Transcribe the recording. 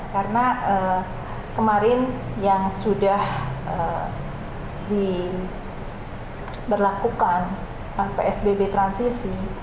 karena kemarin yang sudah diberlakukan psbb transisi